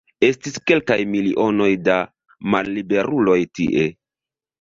Estis kelkaj milionoj da malliberuloj tie.